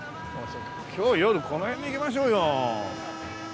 今日夜この辺に行きましょうよ。